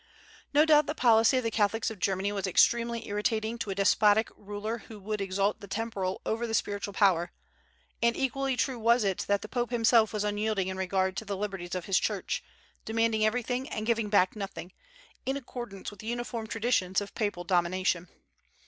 No doubt the policy of the Catholics of Germany was extremely irritating to a despotic ruler who would exalt the temporal over the spiritual power; and equally true was it that the Pope himself was unyielding in regard to the liberties of his church, demanding everything and giving back nothing, in accordance with the uniform traditions of Papal domination.